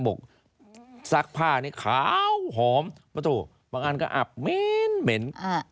บอกซักผ้านี้ขาวหอมบางอันก็อับเม้นเม้น